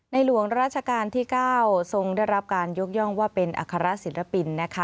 หลวงราชการที่๙ทรงได้รับการยกย่องว่าเป็นอัครศิลปินนะคะ